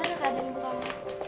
gimana keadaan ibu kamu